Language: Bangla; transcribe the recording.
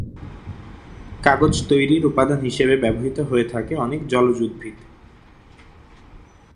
কাগজ তৈরির উপাদান হিসেবে ব্যবহৃত হয়ে থাকে অনেক জলজ উদ্ভিদ।